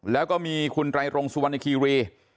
แล้วก็มีคุณแตรงสุวันละครีเวีย